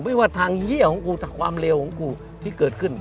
ไม่ว่าทางเยี่ยของกูแต่ความเร็วของกูที่เกิดขึ้น